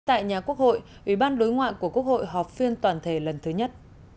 tại nhà quốc hội ủy ban đối ngoại của quốc hội họp phiên toàn thể lần thứ nhất